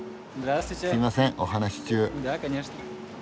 すいませんお話し中。